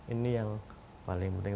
ini yang paling penting